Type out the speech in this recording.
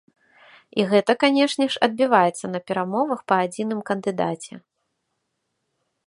І гэта, канешне ж, адбіваецца на перамовах па адзіным кандыдаце.